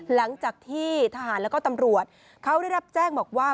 หลังจากที่ทหารแล้วก็ตำรวจเขาได้รับแจ้งบอกว่า